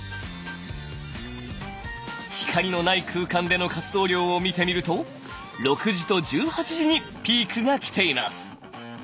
光のない空間での活動量を見てみると６時と１８時にピークが来ています。